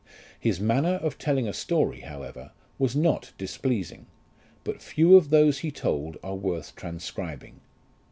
His manner of telling a story, however, was not displeasing ; but few of those he told are worth transcribing.